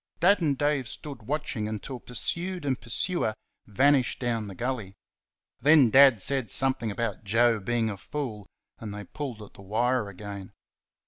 Dad and Dave stood watching until pursued and pursuer vanished down the gully; then Dad said something about Joe being a fool, and they pulled at the wire again.